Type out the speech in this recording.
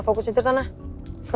fak gue mau pulang